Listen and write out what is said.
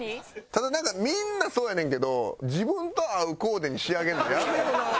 ただなんかみんなそうやねんけど自分と合うコーデに仕上げるのやめろな。